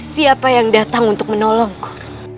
siapa yang datang untuk menolongku